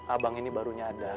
abang ini barunya ada